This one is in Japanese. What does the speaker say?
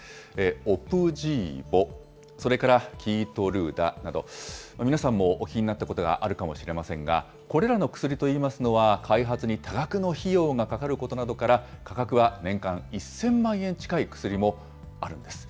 オプジーボ、それからキイトルーダなど、皆さんもお聞きになったことがあるかもしれませんが、これらの薬といいますのは、開発に多額の費用がかかることなどから、価格は年間１０００万円近い薬もあるんです。